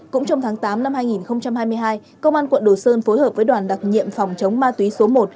cũng trong tháng tám năm hai nghìn hai mươi hai công an quận đồ sơn phối hợp với đoàn đặc nhiệm phòng chống ma túy số một